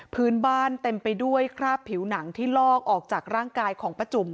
พื้นบ้านเต็มไปด้วยคราบผิวหนังที่ลอกออกจากร่างกายของป้าจุ๋ม